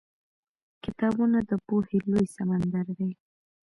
کتابونه د پوهې لوی سمندر دی.